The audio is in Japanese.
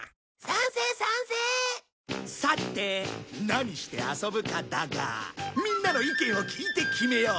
さて何して遊ぶかだがみんなの意見を聞いて決めよう。